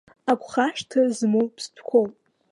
Агәхашҭра змоу ԥстәқәоуп.